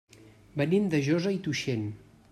Venim de Josa i Tuixén.